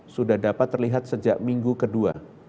sudah dapat terlihat sejak minggu kedua